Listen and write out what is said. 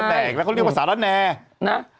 สารแน่งแล้วเขาเรียกว่าสารแน่นะ